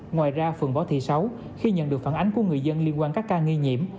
ngoài ra phường võ thị sáu khi nhận được phản ánh của người dân liên quan các ca nghi nhiễm